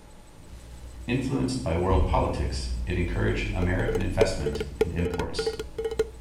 Influenced by world politics, it encouraged American investment and imports.